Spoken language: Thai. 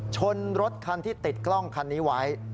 ชนรถคันที่ติดกล้องคันนี้ไว้